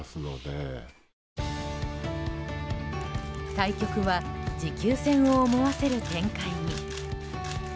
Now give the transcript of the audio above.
対局は持久戦を思わせる展開に。